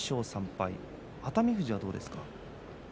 熱海富士、いかがですか。